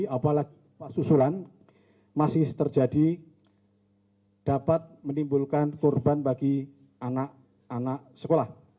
apalagi susulan masih terjadi dapat menimbulkan korban bagi anak anak sekolah